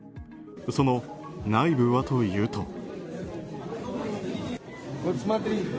その内部はというと。